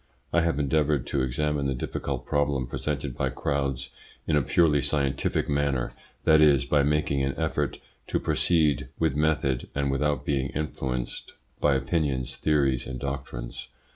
I have endeavoured to examine the difficult problem presented by crowds in a purely scientific manner that is, by making an effort to proceed with method, and without being influenced by opinions, theories, and doctrines.